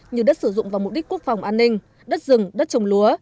như đất sử dụng vào mục đích quốc phòng an ninh đất rừng đất trồng lúa